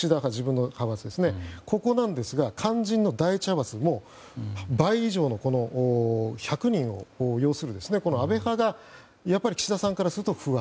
ここなんですが肝心の第１派閥も倍以上の１００人を擁する安倍派がやっぱり岸田さんからすると不安。